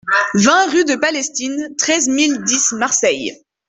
vingt rue de Palestine, treize mille dix Marseille